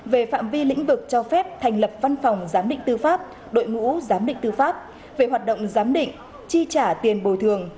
về phạm vi lĩnh vực cho phép thành lập văn phòng giám định tư pháp đội ngũ giám định tư pháp về hoạt động giám định chi trả tiền bồi thường